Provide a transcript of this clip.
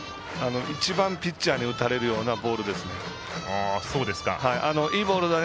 一番ピッチャーに打たれるようなボールです。